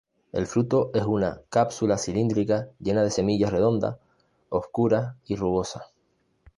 El fruto es una cápsula cilíndrica llena de semillas redondas, obscuras y rugosas.